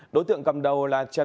đối tượng cầm đầu là trần